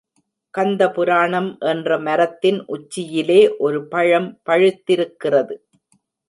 கந்த புராணம் என்ற மரத்தின் உச்சியிலே ஒரு பழம் பழுத்திருக்கிறது.